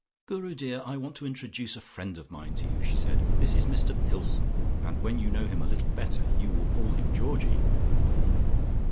"Guru dear, I want to introduce a friend of mine to you," she said. "This is Mr Pillson, and when you know him a little better you will call him Georgie."